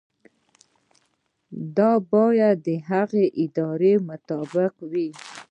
دا باید د هغه د ارادې مطابق وي.